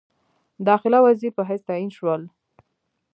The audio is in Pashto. داخله وزیر په حیث تعین شول.